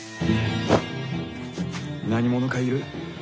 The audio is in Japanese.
何者かいる。